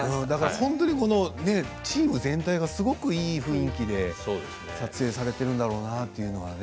チーム全体、すごくいい雰囲気で撮影をされているんだろうなっていうのは。